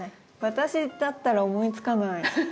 私だったら思いつかない。